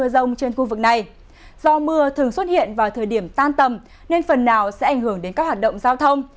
do mưa thường xuất hiện vào thời điểm tan tầm nên phần nào sẽ ảnh hưởng đến các hoạt động giao thông